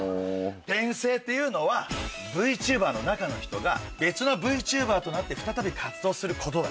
転生っていうのはＶＴｕｂｅｒの中の人が別のＶＴｕｂｅｒとなって再び活動することだよ。